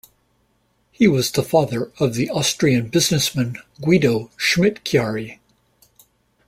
He was the father of the Austrian businessman Guido Schmidt-Chiari.